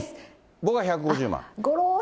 僕は１５０万。